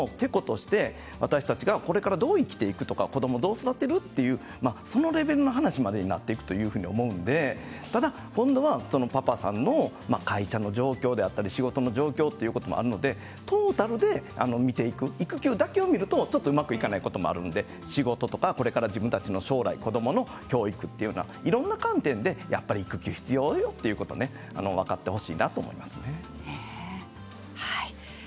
育休を１つのてことして私たちがこれからどう生きていくか子どもをどう育てるかそのレベルの話までになっていくと思うのでただ今度はパパさんの会社の状況であったり仕事の状況もあるのでトータルで見ていく育休だけを見るとうまくいかないこともあるので仕事とか自分たちの将来子どもの教育いろんな観点で、やっぱり育休が必要だということを分かってほしいなと思います。